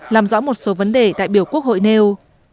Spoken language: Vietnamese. làm rõ một số vấn đề đại biểu quốc hội nêu